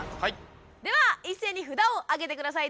では一斉に札をあげて下さい。